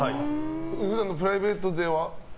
普段のプライベートでは？